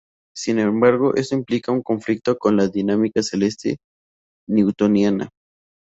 Sin embargo, esto implicaba un conflicto con la dinámica celeste newtoniana.